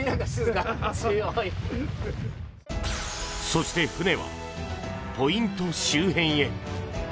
そして船はポイント周辺へ。